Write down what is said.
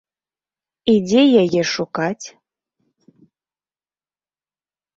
І дзе яе шукаць?